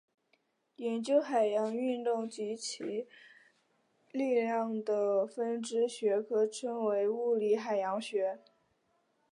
研究海洋运动以及其力量的分支学科称为物理海洋学。